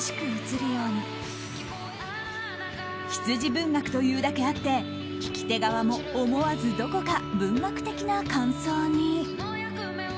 羊文学というだけあって聴き手側も思わずどこか文学的な感想に。